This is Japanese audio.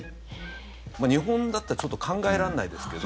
日本だったらちょっと考えられないですけど。